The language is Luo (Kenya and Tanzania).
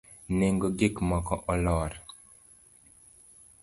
Nengo gik moko olwar